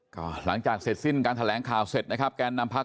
ก็หลังจากเสร็จสิ้นการแถลงข่าวเสร็จนะครับแกนนำพัก